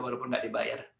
walaupun tidak dibayar